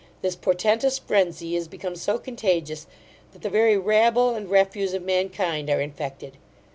This portentous frenzy is become so contagious, that the very rabble and refuse of mankind are infected.